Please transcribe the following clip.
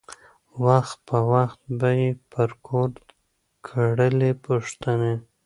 وخت په وخت به یې پر کور کړلی پوښتني